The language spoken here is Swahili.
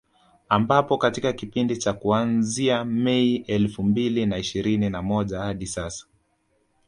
Ambapo katika kipindi cha kuanzia Mei elfu mbili na ishirini na moja hadi sasa